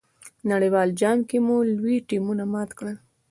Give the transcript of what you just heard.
نړیوال جام کې مو لوی ټیمونه مات کړل.